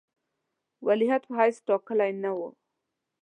ولیعهد په حیث ټاکلی نه وو.